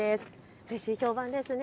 うれしい評判ですね。